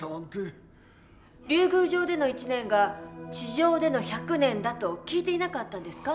竜宮城での１年が地上での１００年だと聞いていなかったんですか？